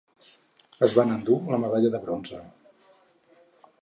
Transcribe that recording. Es van endur la medalla de bronze.